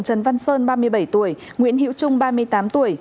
trần văn sơn ba mươi bảy tuổi nguyễn hiễu trung ba mươi tám tuổi